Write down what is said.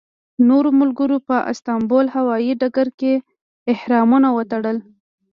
نورو ملګرو په استانبول هوایي ډګر کې احرامونه وتړل.